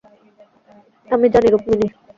আমি জানি, রুকমিনি।